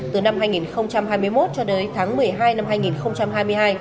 từ năm hai nghìn hai mươi một cho đến tháng một mươi hai năm hai nghìn hai mươi hai